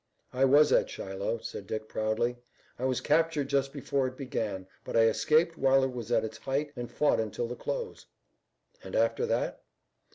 "I was at Shiloh," said Dick proudly. "I was captured just before it began, but I escaped while it was at its height and fought until the close." "And after that?"